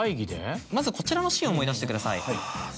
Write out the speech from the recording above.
まずこちらのシーンを思い出してください。